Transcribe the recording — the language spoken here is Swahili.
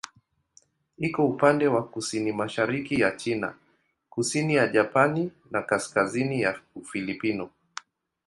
Iko upande wa kusini-mashariki ya China, kusini ya Japani na kaskazini ya Ufilipino.